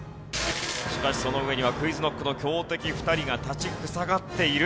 しかしその上にはＱｕｉｚＫｎｏｃｋの強敵２人が立ち塞がっている。